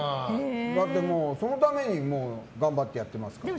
だってそのために頑張ってやってますから。